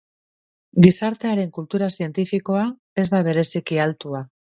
Gizartearen kultura zientifikoa ez da bereziki altua.